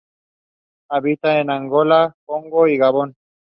Habita en Angola, Congo y Gabón.